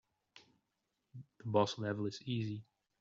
The boss level is easy.